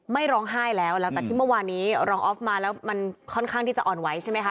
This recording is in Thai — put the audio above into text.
ไม่ร้องไห้แล้วแล้วแต่ที่เมื่อวานนี้รองออฟมาแล้วมันค่อนข้างที่จะอ่อนไหวใช่ไหมคะ